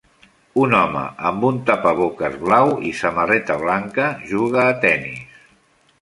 Un home amb un tapaboques blau i samarreta blanca juga a tennis.